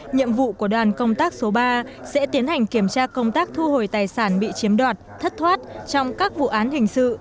nhiệm vụ của đoàn công tác số ba sẽ tiến hành kiểm tra công tác thu hồi tài sản bị chiếm đoạt thất thoát trong các vụ án hình sự